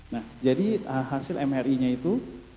nah jadi hasil mri nya itu